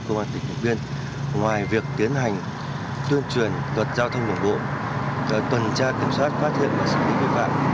cảnh sát giao thông của công an tỉnh hồng biên ngoài việc tiến hành tuyên truyền luật giao thông đồng bộ tuần tra kiểm soát phát hiện và xử lý vụ phạm